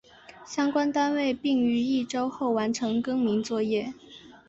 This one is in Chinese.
相关单位并于一周后完成更名作业。